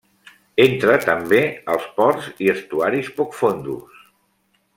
Entra, també, als ports i estuaris poc fondos.